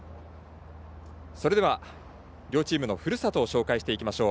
両チームのふるさとを紹介していきましょう。